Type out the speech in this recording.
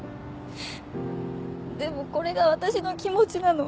でもこれが私の気持ちなの。